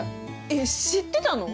えっ知ってたの！？